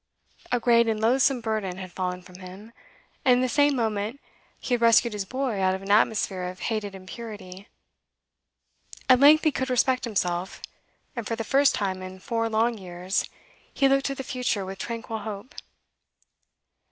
A great and loathsome burden had fallen from him, and in the same moment he had rescued his boy out of an atmosphere of hated impurity. At length he could respect himself, and for the first time in four long years he looked to the future with tranquil hope.